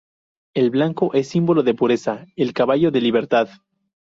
El blanco es símbolo de pureza, el caballo, de libertad.